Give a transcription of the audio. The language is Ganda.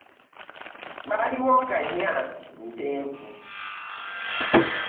Lwaliwo nga nnya Ntenvu